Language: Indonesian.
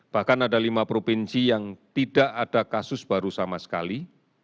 bahkan ada lima provinsi yang tidak ada kasus baru sama sekali